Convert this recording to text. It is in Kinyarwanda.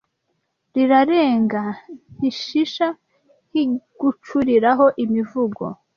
Rirarenga ntishisha Nkigucuriraho imivugo